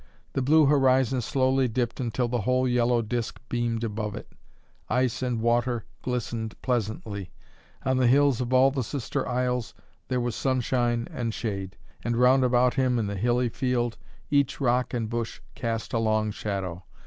The blue horizon slowly dipped until the whole yellow disc beamed above it; ice and water glistened pleasantly; on the hills of all the sister isles there was sunshine and shade; and round about him, in the hilly field, each rock and bush cast a long shadow.